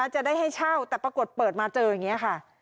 จะได้ให้เช่าแต่ปรากฏเปิดมาเจออย่างนี้ค่ะ